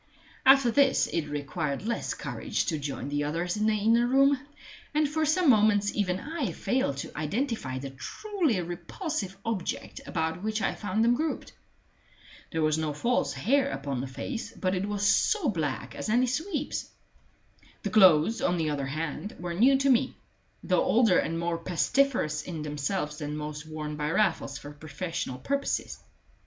After this it required less courage to join the others in the inner room; and for some moments even I failed to identify the truly repulsive object about which I found them grouped. There was no false hair upon the face, but it was as black as any sweep's. The clothes, on the other hand, were new to me, though older and more pestiferous in themselves than most worn by Raffles for professional purposes.